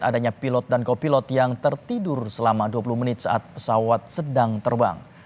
adanya pilot dan kopilot yang tertidur selama dua puluh menit saat pesawat sedang terbang